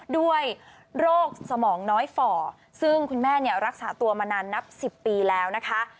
ด้วยโรคสมองน้อยฝ่อซึ่งคุณแม่เนี่ยรักษาตัวมานานนับ๑๐ปีแล้วนะคะ